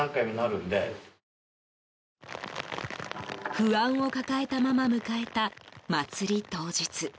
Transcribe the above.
不安を抱えたまま迎えた祭り当日。